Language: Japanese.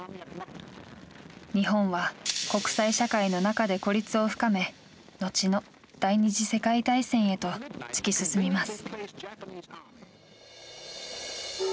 日本は国際社会の中で孤立を深め後の第２次世界大戦へと突き進みます。